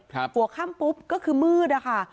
หัวค่ำปุ๊บก็คือมืดอะค่ะ